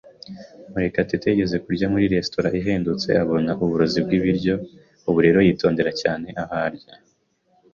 Murekatete yigeze kurya muri resitora ihendutse abona uburozi bwibiryo, ubu rero aritonda cyane aho arya.